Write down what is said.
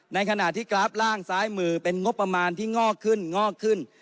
ในขณะที่กราฟล่างซ้ายมือเป็นงบประมาณที่งอกขึ้นงอกขึ้น